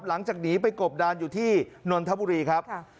หลังจากหนีไปกบดานอยู่ที่นนทบุรีครับ